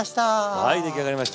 はい出来上がりました。